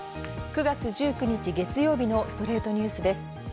９月１９日、月曜日の『ストレイトニュース』です。